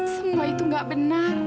semua itu gak benar